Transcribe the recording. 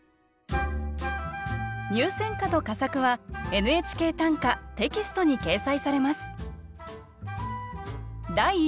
入選歌と佳作は「ＮＨＫ短歌」テキストに掲載されます。